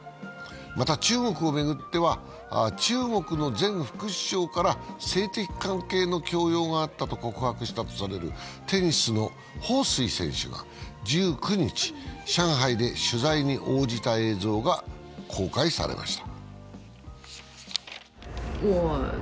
また、中国を巡っては中国の前副首相から性的関係の強要があったと告白したとされるテニスの彭帥選手が１９日、上海で取材に応じた映像が公開されました。